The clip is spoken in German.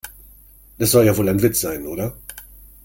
Das soll ja wohl ein Witz sein, oder?